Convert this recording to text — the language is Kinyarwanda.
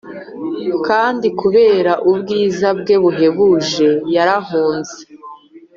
kandi kubera ubwiza bwe buhebuje yarahunze!